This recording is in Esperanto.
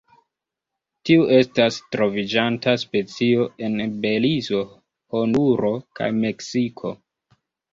Tiu estas troviĝanta specio en Belizo, Honduro kaj Meksiko.